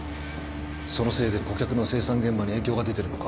そのせいで顧客の生産現場に影響が出てるのか。